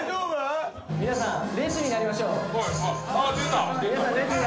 皆さん列になりましょう。